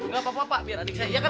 gak apa apa pak biar adik saya